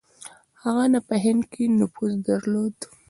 هغه نه په هند کې نفوذ درلود.